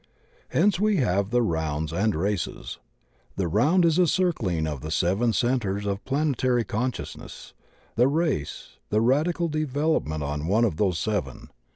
Hence we have the Rounds and Races. The Round is a circling of the seven centres of planetary consciousness; the Race the racial development on one of those seven.